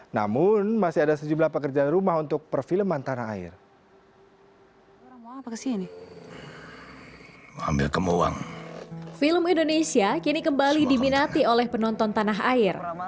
namun masih ada sejumlah pekerjaan rumah untuk perfilman tanah air